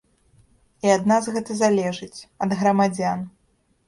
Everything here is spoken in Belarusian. І ад нас гэта залежыць, ад грамадзян.